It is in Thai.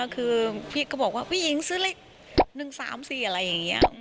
คือพี่ก็บอกว่าผู้หญิงซื้อเลข๑๓๔อะไรอย่างนี้